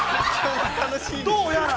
どうやら。